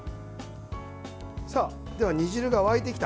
では、煮汁が沸いてきた。